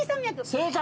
正解！